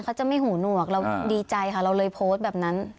เขาจะไม่หูหนวกเราดีใจค่ะเราเลยโพสต์แบบนั้น